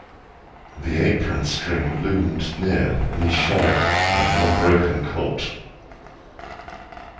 The apron string loomed near and he shied like an unbroken colt.